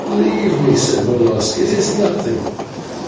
"Leave me," said Molas, "it is nothing."